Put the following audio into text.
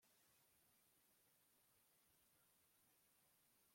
nk’abaca ku musozi nibo babizi.